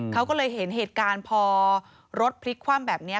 เขาก็เลยเห็นเหตุการณ์พอรถพลิกคว่ำแบบนี้